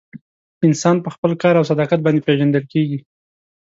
انسان په خپل کار او صداقت باندې پیژندل کیږي.